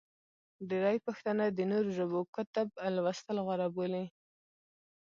ډېری پښتانه د نورو ژبو کتب لوستل غوره بولي.